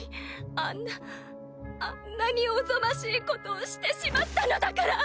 あんなあんなにおぞましいことをしてしまったのだから！